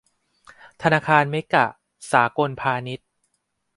ธนาคารเมกะ สากลพาณิชย์